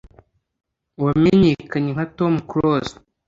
wamenyekanye nka Tom Close